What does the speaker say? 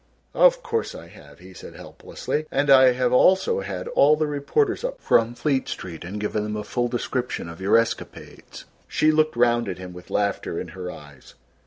"Of course I have," he said helplessly; "I have also had all the reporters up from Fleet Street and given them a full description of your escapades." She looked round at him with laughter in her eyes.